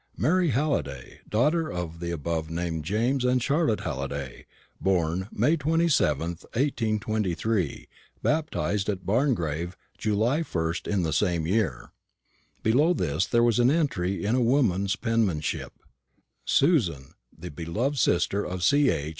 "Mary Halliday, daughter of the above named James and Charlotte Halliday, b. May 27th, 1823, baptised at Barngrave, July 1st in the same year." Below this there was an entry in a woman's penmanship: "Susan, the beloved sister of C. H.